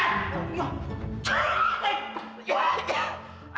gitu juga hihi